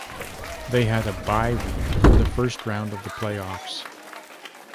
They had a bye week for the first round of the playoffs.